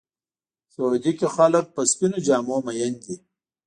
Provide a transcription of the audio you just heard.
سعودي کې خلک په سپینو جامو مین دي.